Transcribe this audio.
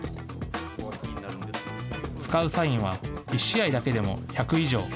使うサインは１試合だけでも１００以上。